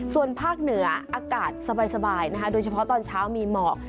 ส่วนภาคเหนืออากาศสบายนะคะโดยเฉพาะตอนเช้ามีหมอก